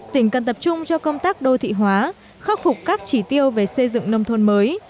tỉnh cần tập trung cho công tác đô thị hóa khắc phục các chỉ tiêu về xây dựng nông thôn mới